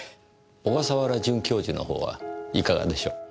小笠原准教授のほうはいかがでしょう？